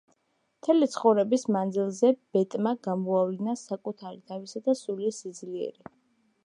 მთელი ცხოვრების მანძილზე, ბეტმა გამოავლინა საკუთარი თავისა და სულის სიძლიერე.